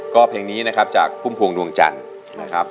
ก็เพลงนี้นะครับจากพุ่มพวงดวงจันทร์นะครับ